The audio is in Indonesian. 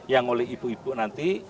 yang oleh ibu ibu nanti